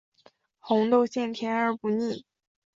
红豆馅甜而不腻